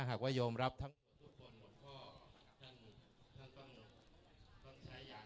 หากว่ายมรับทั้งทุกคน